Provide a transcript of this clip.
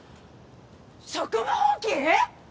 職務放棄！？